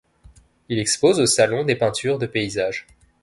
Il expose aux salons des peintures de paysages.